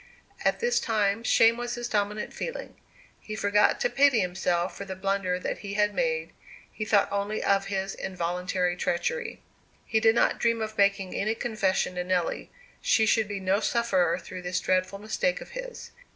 At this time shame was his dominant feeling. He forgot to pity himself for the blunder that he had made he thought only of his involuntary treachery. He did not dream of making any confession to Nelly; she should be no sufferer through this dreadful mistake of his.